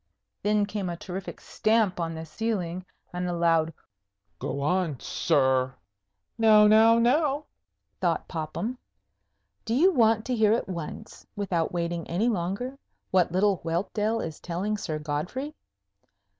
Then came a terrific stamp on the ceiling and a loud "Go on, sir!" "Now, now, now!" thought Popham. Do you want to hear at once, without waiting any longer, what little Whelpdale is telling Sir Godfrey?